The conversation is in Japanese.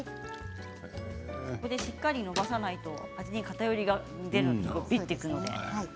しっかりのばさないと味に偏りが出てくるので。